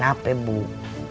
sampai segitunya mak